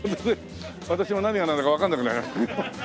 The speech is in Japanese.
私も何がなんだかわからなくなりました。